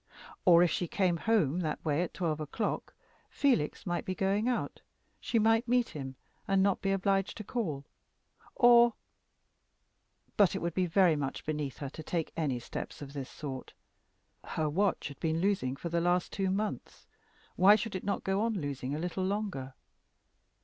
Or, if she came home that way at twelve o'clock, Felix might be going out, she might meet him, and not be obliged to call. Or but it would be very much beneath her to take any steps of this sort. Her watch had been losing for the last two months why should it not go on losing a little longer?